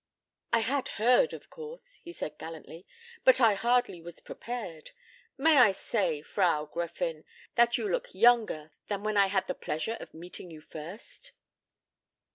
"I had heard, of course," he said gallantly, "but I hardly was prepared. May I say, Frau Gräfin, that you look younger than when I had the pleasure of meeting you first?"